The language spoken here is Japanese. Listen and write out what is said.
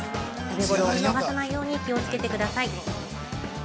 食べごろを見逃さないように気をつけてください。